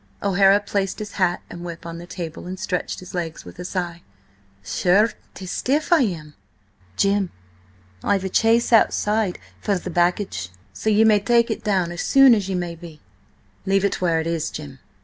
O'Hara placed his hat and whip on the table, and stretched his legs with a sigh. "Sure, 'tis stiff I am! Jim, I've a chaise outside for the baggage, so ye may take it down as soon as may be." "Leave it where it is, Jim.